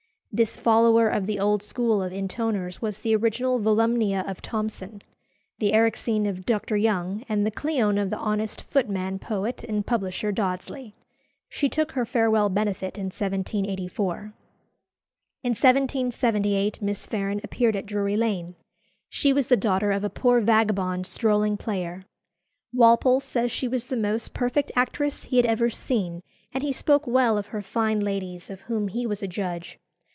This follower of the old school of intoners was the original Volumnia of Thomson, the Erixene of Dr. Young, and the Cleone of the honest footman poet and publisher Dodsley. She took her farewell benefit in 1784. In 1778 Miss Farren appeared at Drury Lane. She was the daughter of a poor vagabond strolling player. Walpole says she was the most perfect actress he had ever seen; and he spoke well of her fine ladies, of whom he was a judge.